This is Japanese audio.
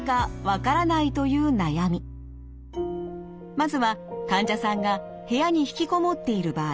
まずは患者さんが部屋に引きこもっている場合。